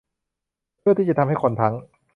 เพื่อที่จะทำให้คนทั้ง